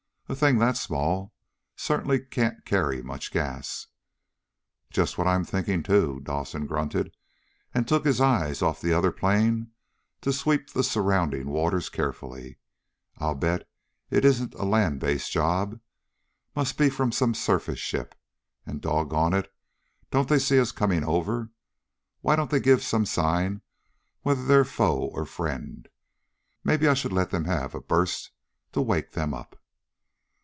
A thing that small certainly can't carry much gas!" "Just what I'm thinking, too!" Dawson grunted, and took his eyes off the other plane to sweep the surrounding waters carefully. "I'd bet it isn't a land based job. Must be from some surface ship. And, doggone it, don't they see us coming over? Why don't they give some sign whether they're foe or friend? Maybe I should let them have a burst to wake them up!"